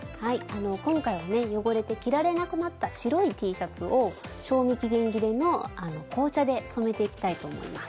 あの今回はね汚れて着られなくなった白いＴシャツを賞味期限切れの紅茶で染めていきたいと思います。